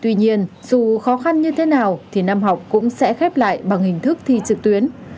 tuy nhiên dù khó khăn như thế nào thì năm học cũng sẽ khép lại bằng hình thức thi trực tuyến